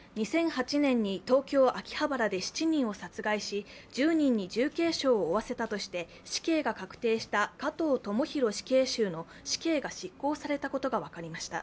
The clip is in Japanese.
２００８年に東京・秋葉原で７人を殺害し１０人に重軽傷を負わせたとして死刑が確定した加藤智大死刑囚の死刑が執行されたことが分かりました。